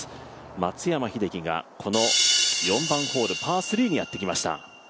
松山英樹がこの４番ホールパー３にやってきました。